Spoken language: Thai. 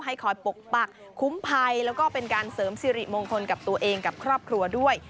คอยปกปักคุ้มภัยแล้วก็เป็นการเสริมสิริมงคลกับตัวเองกับครอบครัวด้วย